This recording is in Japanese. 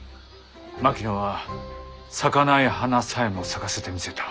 槙野は咲かない花さえも咲かせてみせた。